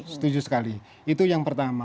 setuju sekali itu yang pertama